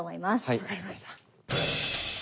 分かりました。